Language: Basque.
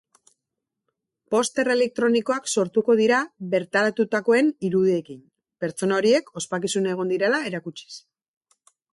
Poster elektronikoak sortuko dira bertaratutakoen irudiekin, pertsona horiek ospakizunean egon direla erakutsiz.